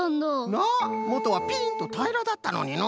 なあもとはぴんとたいらだったのにのう。